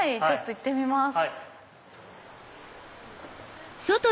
ちょっと行ってみます。